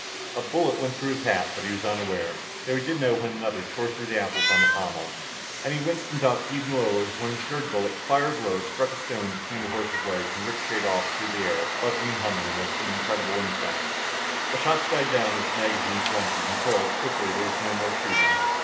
A bullet went through his hat, but he was unaware, though he did know when another tore through the apples on the pommel. And he winced and ducked even lower when a third bullet, fired low, struck a stone between his horse's legs and ricochetted off through the air, buzzing and humming like some incredible insect. The shots died down as the magazines were emptied, until, quickly, there was no more shooting.